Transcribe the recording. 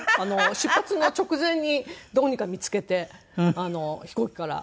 出発の直前にどうにか見つけて飛行機から。